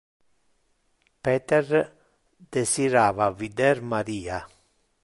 Peter desirava vider Maria.